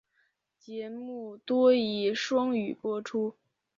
节目多以双语播出。